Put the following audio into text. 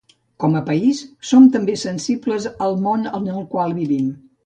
Com a país, som també sensibles al món en el qual vivim.